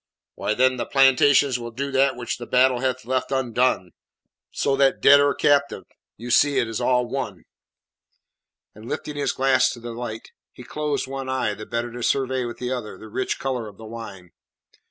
"Why, then, the plantations will do that which the battle hath left undone. So that, dead or captive, you see it is all one." And, lifting his glass to the light, he closed one eye, the better to survey with the other the rich colour of the wine.